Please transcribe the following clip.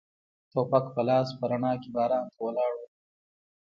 ټوپک په لاس په رڼا کې باران ته ولاړ و.